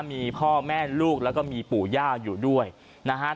มีพ่อแม่ลูกแล้วก็มีปู่ย่าอยู่ด้วยนะฮะ